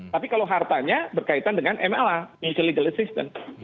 tapi kalau hartanya berkaitan dengan mla mutual legal assistance